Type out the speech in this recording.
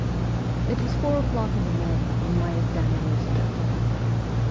It was four o'clock in the morning when my examination began.